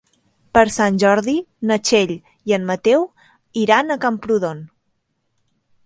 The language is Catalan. Per Sant Jordi na Txell i en Mateu iran a Camprodon.